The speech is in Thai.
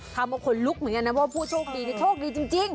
ทำเอาคนลุกเหมือนกันนะว่าผู้โชคดีนี่โชคดีจริง